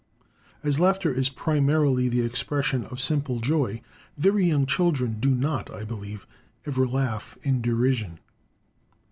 As laughter is primarily the expression of simple joy, very young children do not, I believe, ever laugh in derision.